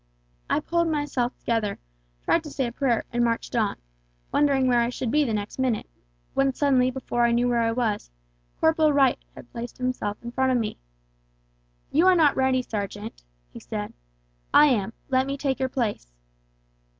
I pulled myself together, tried to say a prayer and marched on, wondering where I should be the next minute, when suddenly before I knew where I was, Corporal White had placed himself in front of me. "You are not ready, sergeant," he said; "I am, let me take your place."